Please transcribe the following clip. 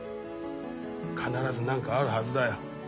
必ず何かあるはずだよ。